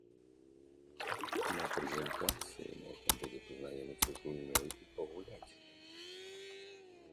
На прэзентацыі можна будзе пазнаёміцца з гульнёй і пагуляць!